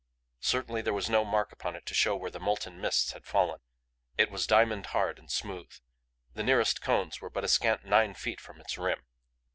Certainly there was no mark upon it to show where the molten mists had fallen. It was diamond hard and smooth. The nearest cones were but a scant nine feet from its rim.